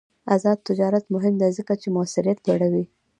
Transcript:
آزاد تجارت مهم دی ځکه چې موثریت لوړوي.